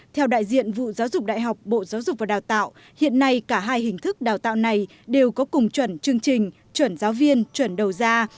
theo đại diện vụ giáo dục đại học bộ giáo dục và đào tạo hiện nay cả hai hình thức đào tạo này đều có cùng chuẩn chương trình chuẩn giáo viên chuẩn đầu ra